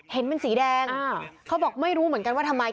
เห็นเป็นสีแดงเขาบอกไม่รู้เหมือนกันว่าทำไม